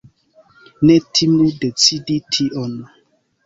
Ne timu decidi tion!